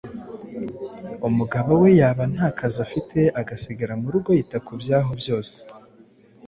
umugabo we yaba nta kazi afite agasigara mu rugo yita ku byaho byose.